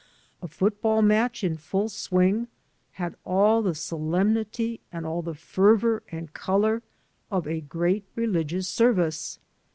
A football match in full swing had all the solemnity and all the fervor and color of a great religious service.